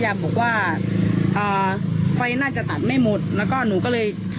แรกเขาไปรู้ว่าตรียมพิธีน้ำก็ได้